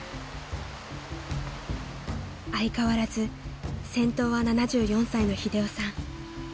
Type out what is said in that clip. ［相変わらず先頭は７４歳の英雄さん］